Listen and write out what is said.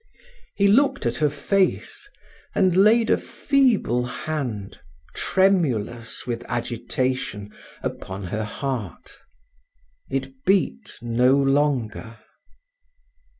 He looked at her face, and laid a feeble hand, tremulous with agitation, upon her heart it beat no longer.